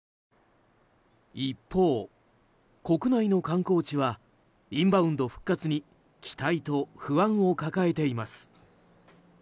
一方、国内の観光地はインバウンド復活に期待と不安を抱えています。